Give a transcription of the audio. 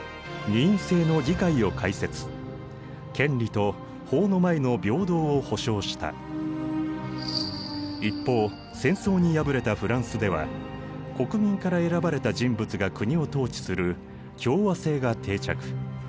プロイセン国王が皇帝を務め一方戦争に敗れたフランスでは国民から選ばれた人物が国を統治する共和政が定着。